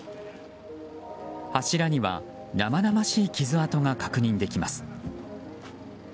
柱には生々しい傷跡が確認できます。